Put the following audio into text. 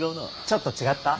ちょっと違った？